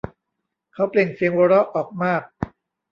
เขาเปล่งเสียงหัวเราะออกมาก